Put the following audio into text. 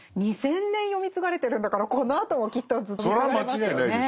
２，０００年読み継がれてるんだからこのあともきっとずっと読み継がれますよね。